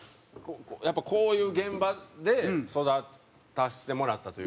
やっぱこういう現場で育たせてもらったというか。